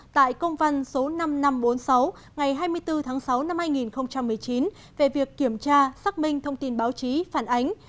tại công văn số năm nghìn năm trăm bốn mươi sáu ngày hai mươi bốn tháng sáu năm hai nghìn một mươi chín về việc kiểm tra xác minh thông tin báo chí phản ánh